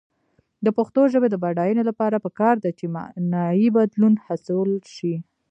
د پښتو ژبې د بډاینې لپاره پکار ده چې معنايي بدلون هڅول شي.